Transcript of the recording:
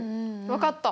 分かった！